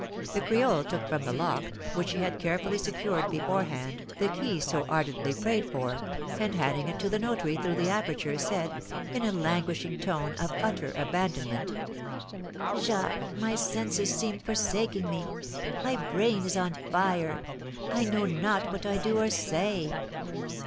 The creole took from the lock, which she had carefully secured beforehand, the key so ardently prayed for, and, handing it to the notary through the aperture, said, in a languishing tone of utter abandonnement: "Jacques, my senses seem forsaking me, my brain is on fire, I know not what I do or say."